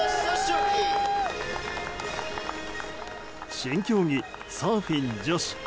新競技サーフィン女子。